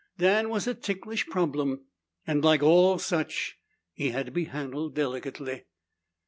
Dan was a ticklish problem, and like all such, he had to be handled delicately.